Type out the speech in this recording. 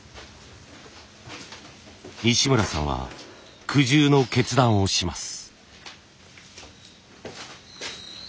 西村さんは苦渋の決断をします。